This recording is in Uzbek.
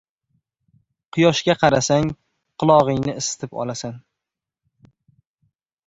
• Quyoshga qarasang, qulog‘ingni isitib olasan.